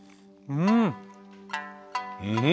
うん？